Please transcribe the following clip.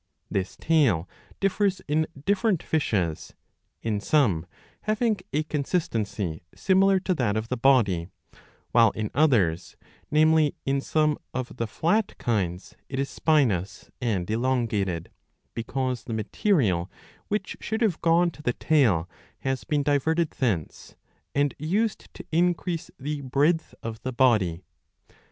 This tail differs in different fishes, in some having a consistency similar to that of the body, while in others, namely in some of the flat kinds, it is spinous and elongated, because the material which should have gone to the tail has been diverted thence and used to increase the breadth of the body.